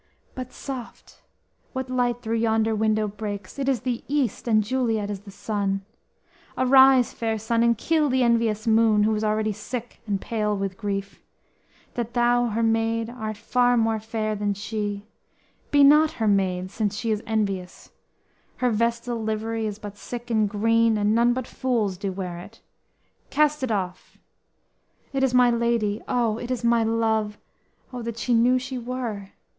_But, soft! what light through yonder window breaks! It is the East, and Juliet is the sun! Arise, fair sun, and kill the envious moon, Who is already sick and pale with grief, That thou, her maid, art far more fair than she; Be not her maid since she is envious; Her vestal livery is but sick and green, And none but fools do wear it; cast it off It is my lady; O, it is my love; O, that she knew she were!